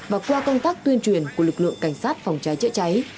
và qua công tác tuyên truyền của lực lượng cảnh sát phòng cháy chữa cháy